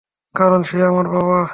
কারণ সে আমার বাবা!